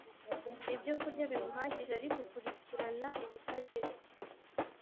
ibyokurya bimuhagije Ariko ukurikirana ibitagira